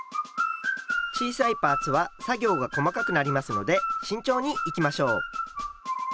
小さいパーツは作業が細かくなりますので慎重にいきましょう。